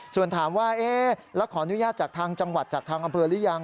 ส่วนถามว่าเอ๊ะแล้วขออนุญาตจากทางจังหวัดจากทางอำเภอหรือยัง